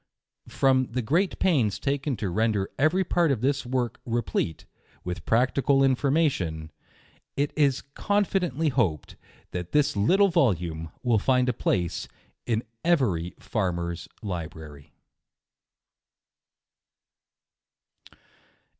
From the great pains taken to render every part of this work replete with practical information, it is confidently hoped that this little volume will find a place in every far* mer's library.